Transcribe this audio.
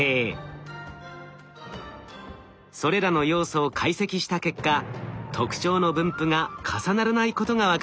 それらの要素を解析した結果特徴の分布が重ならないことが分かり